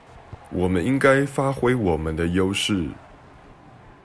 我們應該發揮我們的優勢